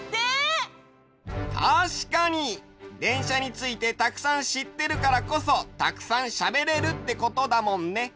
たしかにでんしゃについてたくさんしってるからこそたくさんしゃべれるってことだもんね。